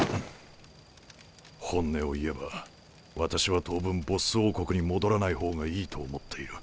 本音を言えば私は当分ボッス王国に戻らない方がいいと思っている。